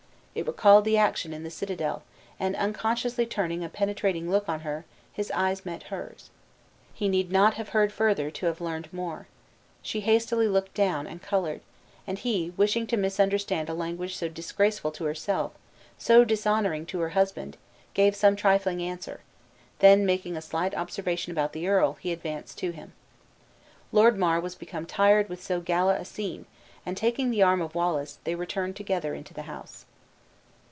It recalled the action in the citadel, and, unconsciously turning a penetrating look on her, his eyes met hers. He need not have heard further to have learned more. She hastily looked down, and colored; and he, wishing to misunderstand a language so disgraceful to herself, so dishonoring to her husband, gave some trifling answer; then making a slight observation about the earl, he advanced to him. Lord Mar was become tired with so gala a scene, and, taking the arm of Wallace, they returned together into the house.